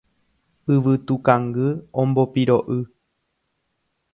Yvytukangy ombopiro'y